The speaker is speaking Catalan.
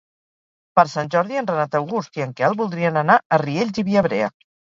Per Sant Jordi en Renat August i en Quel voldrien anar a Riells i Viabrea.